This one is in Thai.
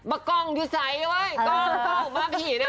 มามามามาลุกมา